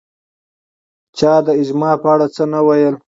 چا د اجماع په اړه څه نه ویل